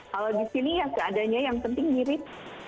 kalau di sini ya seadanya yang penting mirip